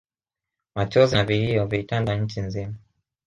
Machozi na vilio vilitanda nchi mzima